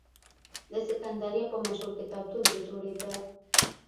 د سکندریه په مشهور کتابتون کې جوړېده.